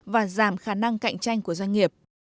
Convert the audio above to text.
và giảm khả năng cạnh tranh của doanh nghiệp